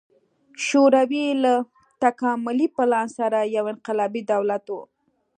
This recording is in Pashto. شوروي له تکاملي پلان سره یو انقلابي دولت و.